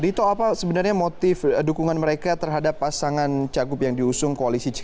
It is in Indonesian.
dito apa sebenarnya motif dukungan mereka terhadap pasangan cakup yang diusung koalisi cks ini